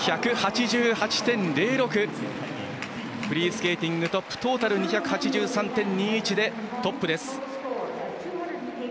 フリースケーティングトップトータル２８３．２１でトップです。